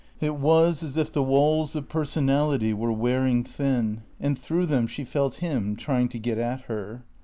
It was as if the walls of personality were wearing thin, and through them she felt him trying to get at her.